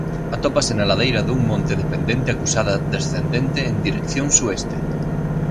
Atópase na ladeira dun monte de pendente acusada descendente en dirección sueste.